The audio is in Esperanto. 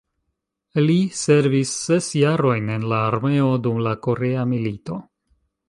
Li servis ses jarojn en la armeo dum la Korea milito.